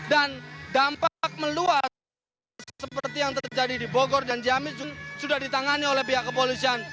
dan dampak meluas seperti yang terjadi di bogor dan jami sudah ditangani oleh pihak kepolisian